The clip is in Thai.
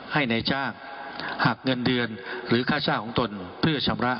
ให้นายจ้างหักเงินเดือนหรือค่าจ้างของตนเพื่อชำระ